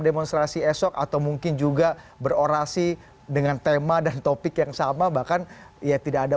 demonstrasi esok atau mungkin juga berorasi dengan tema dan topik yang sama bahkan ya tidak ada